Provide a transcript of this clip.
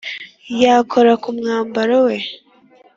yakora ku mwambaro we,